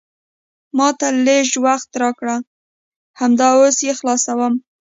ما ته لیژ وخت راکړه، همدا اوس یې خلاصوم.